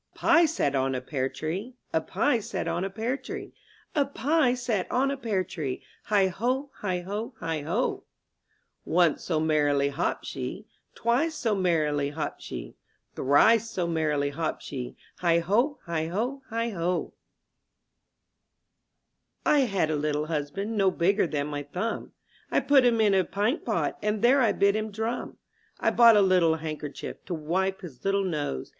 A PIE sat on a pear tree, ^^ A pie sat on a pear tree, A pie sat on a pear tree, Heigh O, heigh O, heigh 0! Once so merrily hopped she, Twice so merrily hopped she. Thrice so merrily hopped she. Heigh 0, heigh O, heigh 0! T HAD a little husband no bigger than my thumb ;■• I put him in a pint pot and there I bid him drum; I bought a little handkerchief to wipe his little nose.